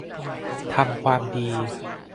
ทำความดี